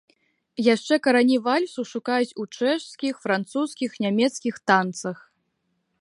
Яшчэ карані вальсу шукаюць у чэшскіх, французскіх, нямецкіх танцах.